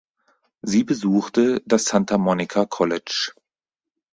Sie besuchte das Santa Monica College.